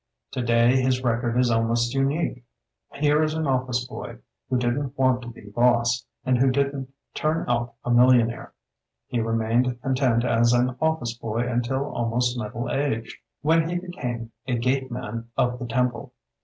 Today his record is almost unique. Here is an office boy who didn't want to be boss, and who didn't turn out a millionaire. He remained content as an office boy until almost middle aged, when he became a gate man of the Temple.